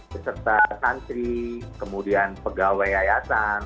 beserta santri kemudian pegawai yayasan